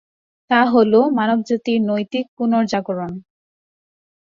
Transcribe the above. তা হল, মানবজাতির নৈতিক পুনর্জাগরণ।